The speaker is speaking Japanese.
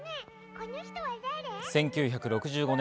１９６５年